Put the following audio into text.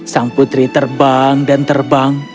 sang putri terbang dan terbang